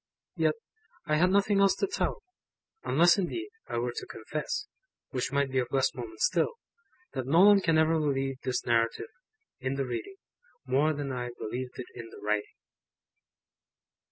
Yet, I had nothing else to tell; unless, indeed, I were to confess (which might be of less moment still), that no one can ever believe this Narrative, in the reading, more than I believed it in the writing.